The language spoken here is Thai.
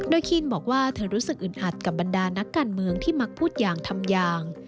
โดยคีนบอกว่าเธอรู้สึกอึดอัดกับบรรดานักการเมืองที่มักพูดอย่างทำอย่าง